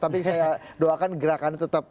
tapi saya doakan gerakannya tetap